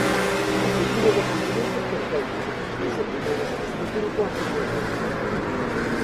O futuro do continente perténcenos, dixo o primeiro ministro turco antes do encontro.